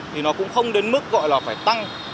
thì nó cũng không đến mức gọi là phải tăng